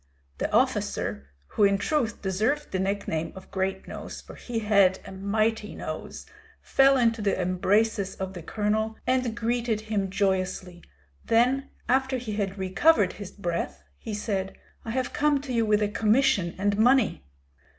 The officer who in truth deserved the nickname of Great nose, for he had a mighty nose fell into the embraces of the colonel, and greeted him joyously; then after he had recovered his breath, he said, "I have come to you with a commission and money."